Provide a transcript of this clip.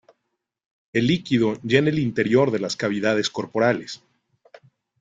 El líquido llena el interior de las cavidades corporales.